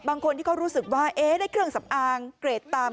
บางคนที่เขารู้สึกว่าได้เครื่องสำอางเกรดตาม